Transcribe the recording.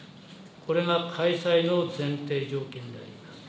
これが開催の前提条件であります。